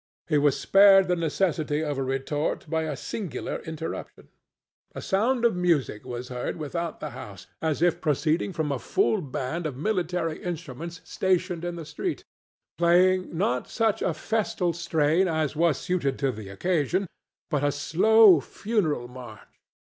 He was spared the necessity of a retort by a singular interruption. A sound of music was heard without the house, as if proceeding from a full band of military instruments stationed in the street, playing, not such a festal strain as was suited to the occasion, but a slow funeral march.